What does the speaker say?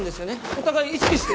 お互い意識して。